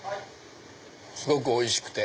すごくおいしくて。